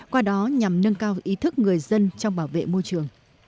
qua đó nhằm nâng cao ý thức người dân trong bảo vệ môi trường